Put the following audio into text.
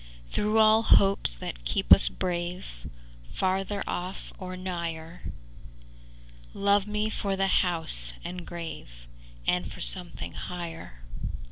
X Through all hopes that keep us brave, Farther off or nigher, Love me for the house and grave, And for something higher.